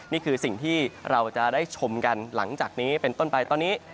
นี่คือสิ่งที่เราจะได้ชมกันหลังจากนี้เป็นต้นไปตอนนี้